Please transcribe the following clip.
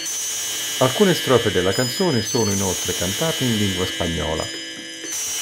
Alcune strofe della canzone sono inoltre cantate in lingua spagnola.